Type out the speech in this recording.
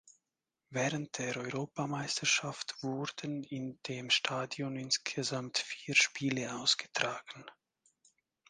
Während der Europameisterschaft wurden in dem Stadion insgesamt vier Spiele ausgetragen.